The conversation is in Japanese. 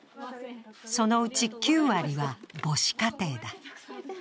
そのうち９割は母子家庭だ。